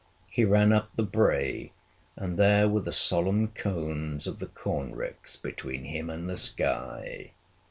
He ran up the brae, and there were the solemn cones of the corn ricks between him and the sky!